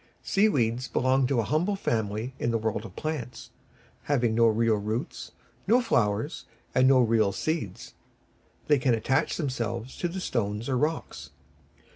Seaweeds belong to a humble family in the world of plants, having no real roots, no flowers, and no real seeds. They can attach themselves to the stones or rocks.